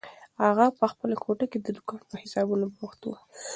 اغا په خپله کوټه کې د دوکان په حسابونو بوخت و.